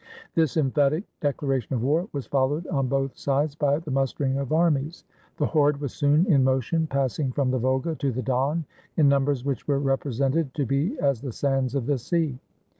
This emphatic declaration of war was followed on both sides by the mustering of armies. The horde was soon in motion, passing from the Volga to the Don in numbers which were represented to be as the sands of the sea.